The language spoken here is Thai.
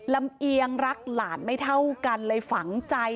เอียงรักหลานไม่เท่ากันเลยฝังใจ